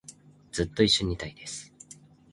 ずっと一緒にいたいです